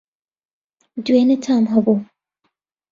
دوێنی تام هەبوو